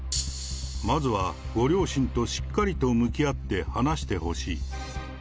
まずは、ご両親としっかりと向き合って話してほしい。